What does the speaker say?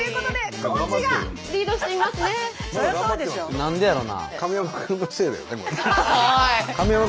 何でやろな？